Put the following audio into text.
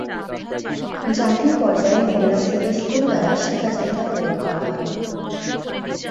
জাতীয় পর্যায়ে medulla city school দ্বারা শিক্ষা চাহিদা পূরণ করা হয়।